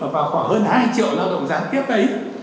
vào khoảng hơn hai triệu lao động gián tiếp ấy